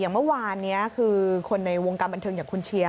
เมื่อวานนี้คือคนในวงการบันเทิงอย่างคุณเชียร์